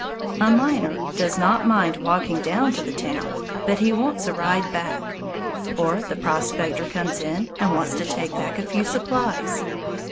A miner does not mind walking down to the town, but he wants to ride back; or the prospector comes in and wants to take back a few supplies.